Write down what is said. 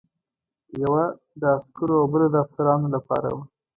یوه د عسکرو او بله د افسرانو لپاره وه.